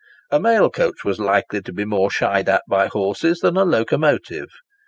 A mail coach was likely to be more shied at by horses than a locomotive.